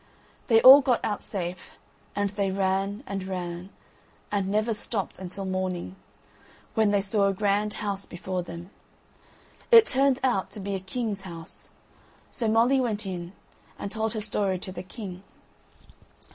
They all got out safe, and they ran and ran, and never stopped until morning, when they saw a grand house before them. It turned out to be a king's house: so Molly went in, and told her story to the king.